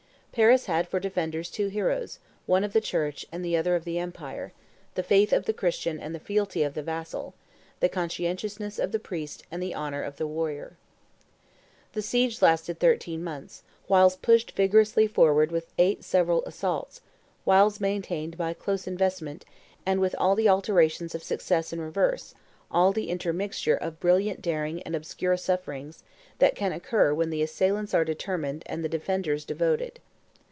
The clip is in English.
Paris had for defenders two heroes, one of the Church and the other of the Empire: the faith of the Christian and the fealty of the vassal; the conscientiousness of the priest and the honor of the warrior. [Illustration: The Barks of the Northmen before Paris 260] The siege lasted thirteen months, whiles pushed vigorously forward with eight several assaults, whiles maintained by close investment, and with all the alternations of success and reverse, all the intermixture of brilliant daring and obscure sufferings, that can occur when the assailants are determined and the defenders devoted.